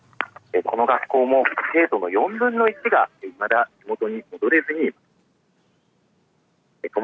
この学校も生徒の４分の１が、いまだ元に戻れずにいます。